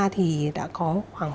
thì đã có khoảng